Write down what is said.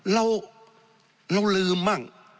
เราลืมบ้าง